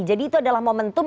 jadi itu adalah momentum